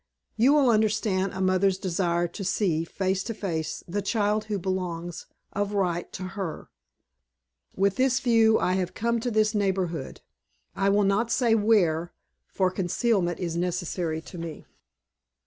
You will understand a mother's desire to see, face to face, the child who belongs, of right, to her. With this view, I have come to this neighborhood. I will not say where, for concealment is necessary to me.